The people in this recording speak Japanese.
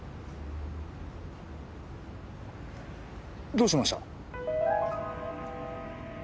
どうしました？